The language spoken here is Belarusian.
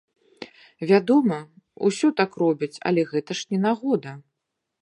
Вядома, усё так робяць, але гэта ж не нагода!